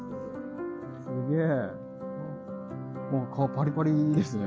すげえ。